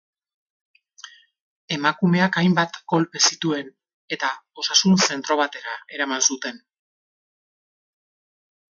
Emakumeak hainbat kolpe zituen, eta osasun-zentro batera eraman zuten.